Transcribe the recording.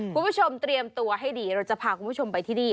คุณผู้ชมเตรียมตัวให้ดีเราจะพาคุณผู้ชมไปที่นี่